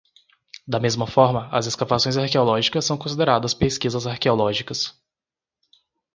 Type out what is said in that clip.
Da mesma forma, as escavações arqueológicas são consideradas pesquisas arqueológicas.